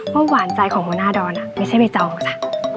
ว่าหวานใจของมณาดอนน่ะไม่ใช่มีเจ้าหรอกจ๊ะ